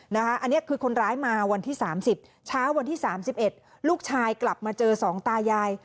อันนี้คือคนร้ายมาวันที่๓๐เช้าวันที่๓๑ลูกชายกลับมาเจอสองตายาย